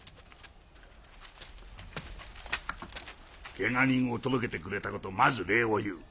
ケガ人を届けてくれたことまず礼を言う。